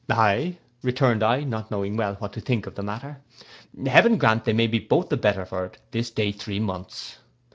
'—'Ay,' returned I, not knowing well what to think of the matter, 'heaven grant they may be both the better for it this day three months!